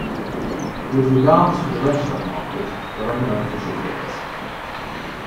With regards to the restaurant market, there are no official figures.